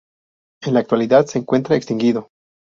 En la actualidad se encuentra extinguido.